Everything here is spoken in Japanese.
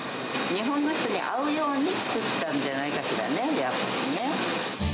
日本の人に合うように作ったんじゃないかしらね、やっぱりね。